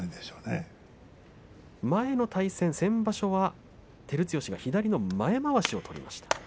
前の対戦、先場所は照強が前まわしを取りました。